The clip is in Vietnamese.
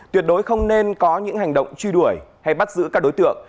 tuyệt đối không nên có những hành động truy đuổi hay bắt giữ các đối tượng